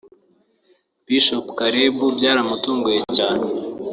Bishop Karebu byaramutunguye cyane